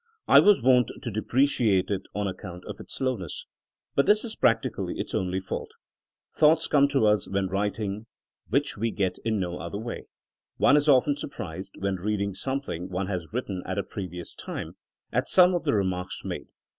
I was wont to depreciate it on account of its slowness. But this is practically its only fault. Thoughts come to us when writ ing which we get in no other way. One is often surprised, when reading something one has written at a previous time, at some of the re marks made.